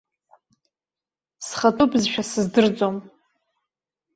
Схатәы бызшәа сыздырӡом.